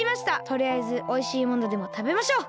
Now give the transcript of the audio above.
とりあえずおいしいものでもたべましょう。